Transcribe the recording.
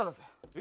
え？